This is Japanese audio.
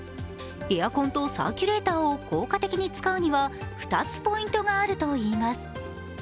エアコンとサーキュレーターを効果的に使うには２つポイントがあるといいます。